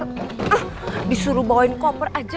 disuruh bawain koper aja